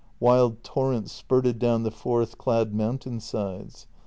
Wild torrents spurted down the forest clad mountain sides.